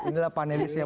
inilah panelis yang